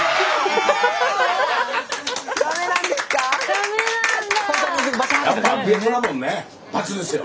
ダメなんだ。